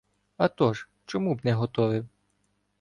— Атож! Чому б не готовив!